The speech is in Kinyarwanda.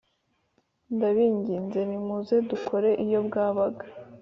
Ndabinginze nimuze dukore iyo bwabaga